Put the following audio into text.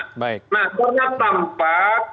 nah karena tampak